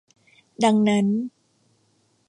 ดังนั้น